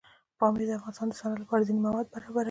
پامیر د افغانستان د صنعت لپاره ځینې مواد برابروي.